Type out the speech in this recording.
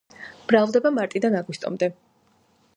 მრავლდება მარტიდან აგვისტომდე.